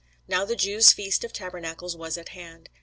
Now the Jews' feast of tabernacles was at hand.